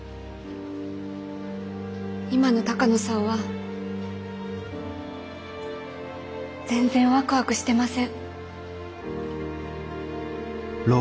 今の鷹野さんは全然ワクワクしてません。